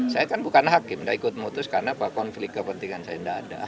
saya kan bukan hakim nggak ikut memutuskan apa konflik kepentingan saya nggak ada